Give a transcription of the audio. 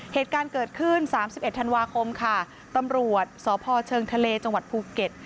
เหตุการณ์เกิดขึ้น๓๑ธันวาคมค่ะตำรวจสพเชิงทะเลจังหวัดภูเก็ต